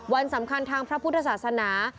วันสำคัญทางพระพุทธศาสนา